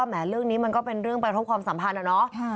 มันก็เป็นเรื่องยังโธบความสัมพันธ์แหละเนาะ